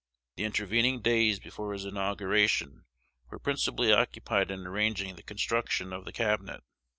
The intervening days before his inauguration were principally occupied in arranging the construction of his Cabinet.